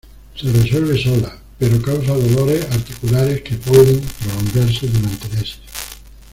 Se resuelve sola, pero causa dolores articulares que pueden prolongarse durante meses.